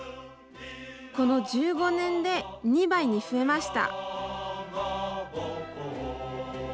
この１５年で２倍に増えました。